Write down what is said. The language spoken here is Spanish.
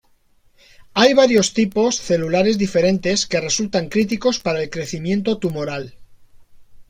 Hay varios tipos celulares diferentes que resultan críticos para el crecimiento tumoral.